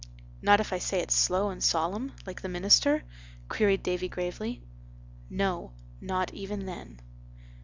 "Not if I say it slow and solemn, like the minister?" queried Davy gravely. "No, not even then."